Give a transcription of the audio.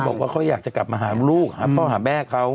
บุหารก็อยากจะกลับมาหาลูกให้เปลี่ยนแม่เขา